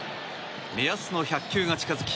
目安の１００球が近づき